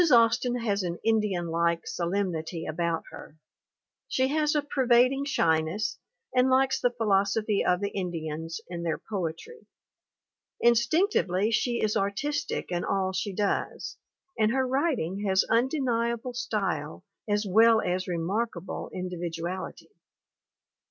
Austin has an Indian like solemnity about her. She has a pervading shyness and likes the philosophy of the Indians and their poetry. Instinctively she is artistic in all she does, and her writing has undeniable style as well as remarkable individuality.